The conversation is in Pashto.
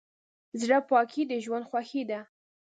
زړه پاکي د ژوند خوښي ده.